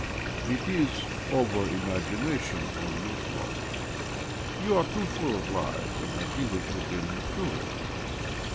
" It is over imagination on your part. You are too full of life, and have hitherto been maturing."